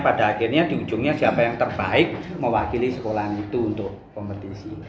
pada akhirnya di ujungnya siapa yang terbaik mewakili sekolahan itu untuk kompetisi